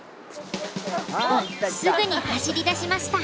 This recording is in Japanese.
すぐに走りだしました。